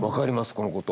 このこと。